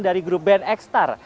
dari grup band x star